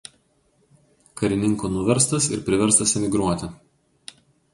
Karininkų nuverstas ir priverstas emigruoti.